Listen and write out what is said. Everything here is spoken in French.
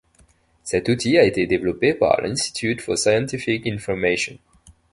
Cet outil a été développé par l'Institute for Scientific Information.